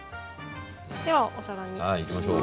ではお皿に移します。